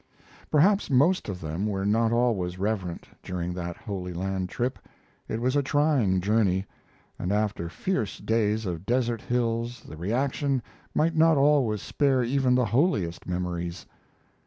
Perhaps most of them were not always reverent during that Holy Land trip. It was a trying journey, and after fierce days of desert hills the reaction might not always spare even the holiest memories.